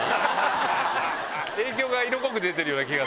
影響が色濃く出てるような気が。